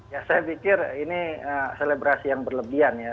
ya saya pikir ini selebrasi yang berlebihan ya